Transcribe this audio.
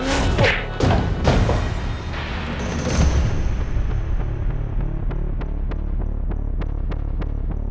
sekarang ia keberdaan